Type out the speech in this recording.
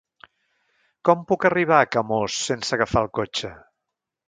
Com puc arribar a Camós sense agafar el cotxe?